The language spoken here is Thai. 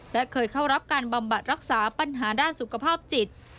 และเคยเข้ารับการบำบัดรักษาปัญหาด้านสุขภาพจิต